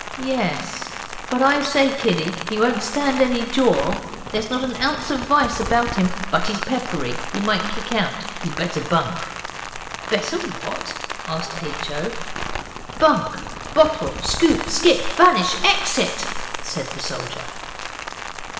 'Yes but I say, kiddie, he won't stand any jaw. There's not an ounce of vice about him, but he's peppery. He might kick out. You'd better bunk.' 'Better what?' asked H. O. 'Bunk, bottle, scoot, skip, vanish, exit,' said the soldier.